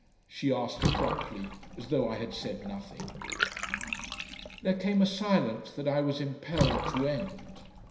she asked abruptly as though I had said nothing. There came a silence that I was impelled to end.